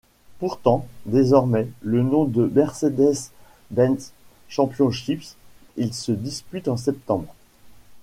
Portant désormais le nom de Mercedes-Benz Championship, il se dispute en septembre.